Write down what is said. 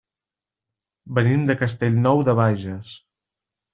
Venim de Castellnou de Bages.